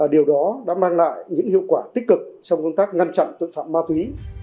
điều đó đã mang lại những hiệu quả tích cực trong công tác ngăn chặn tội phạm ma túy